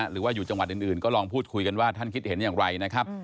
หรือว่าอยู่จังหวัดอื่นก็ลองพูดคุยกันว่าท่านคิดเห็นอย่างไรนะครับ